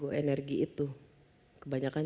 gue energi itu kebanyakan